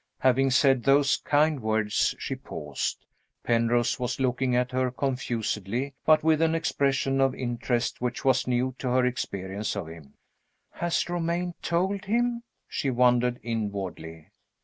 Having said those kind words, she paused. Penrose was looking at her confusedly, but with an expression of interest which was new to her experience of him. "Has Romayne told him?" she wondered inwardly.